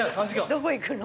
どこ行くの？